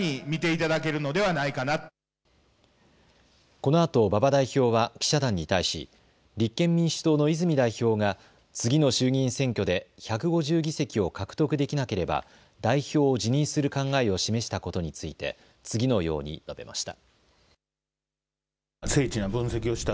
このあと馬場代表は記者団に対し立憲民主党の泉代表が次の衆議院選挙で１５０議席を獲得できなければ代表を辞任する考えを示したことについて次のように述べました。